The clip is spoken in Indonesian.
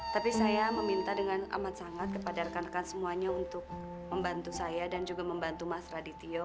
tapi saya meminta dengan amat sangat kepada rekan rekan semuanya untuk membantu saya dan juga membantu mas radityo